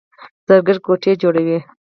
زرګر ګوتې جوړوي.